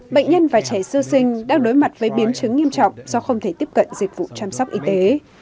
bệnh nhân và trẻ sơ sinh đang đối mặt với biến chứng nghiêm trọng do không thể tiếp cận dịch vụ chăm sóc y tế